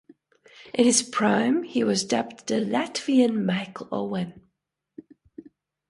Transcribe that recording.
In his prime he was dubbed the "Latvian Michael Owen".